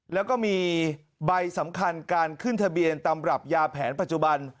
แล้วก็มีใบสำคัญการขึ้นทะเบียนตำรับยาแผนปัจจุบัน